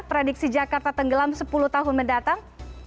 prediksi jakarta tenggelam sepuluh tahun mendatang